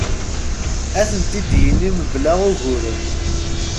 Ad tent-id-yini mebla uguren.